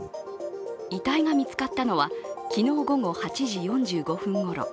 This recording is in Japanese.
遺体が見つかったのは昨日午後８時４５分ごろ。